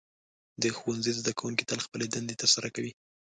د ښوونځي زده کوونکي تل خپلې دندې ترسره کوي.